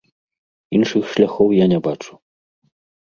Іншых шляхоў я не бачу.